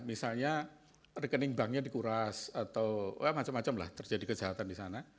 misalnya rekening banknya dikuras atau macam macam lah terjadi kejahatan di sana